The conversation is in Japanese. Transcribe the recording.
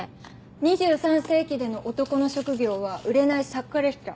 ２３世紀での男の職業は売れない作家でした。